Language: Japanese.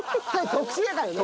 特殊だからね。